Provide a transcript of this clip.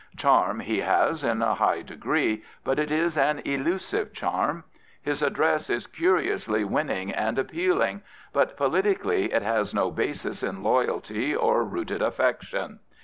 Charm he has in a high degree; but it is an illusive charm. His address is curiously winning and appeal ing; but politically it has no basis in loyalty or rooted affection.